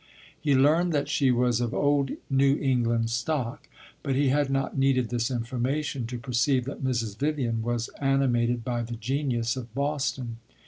He learned that she was of old New England stock, but he had not needed this information to perceive that Mrs. Vivian was animated by the genius of Boston.